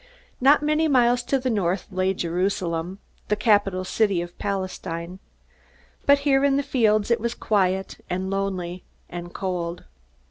Not many miles to the north lay Jerusalem, the capital city of Palestine. But here in the fields it was quiet, and lonely, and cold.